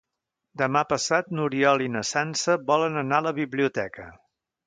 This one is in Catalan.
Demà passat n'Oriol i na Sança volen anar a la biblioteca.